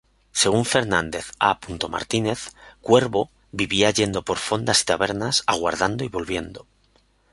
Según Fernando A. Martínez, Cuervo vivía yendo por fondas y tabernas aguardando y volviendo.